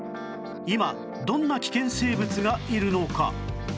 今どんな危険生物がいるのか